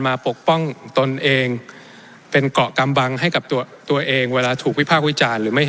มาปกป้องตนเองเป็นเกาะกำบังให้กับตัวตัวเองเวลาถูกวิภาควิจารย์หรือไม่